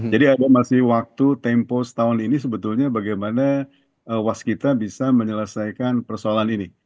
jadi ada masih waktu tempo setahun ini sebetulnya bagaimana waskita bisa menyelesaikan persoalan ini